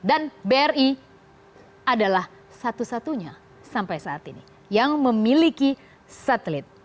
dan bri adalah satu satunya sampai saat ini yang memiliki satelit